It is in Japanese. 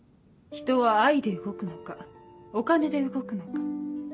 人は愛で動くのかお金で動くのか。